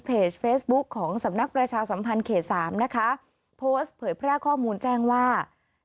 เพจเฟซบุ๊คของสำนักประชาสัมพันธ์เขตสามนะคะโพสต์เผยแพร่ข้อมูลแจ้งว่า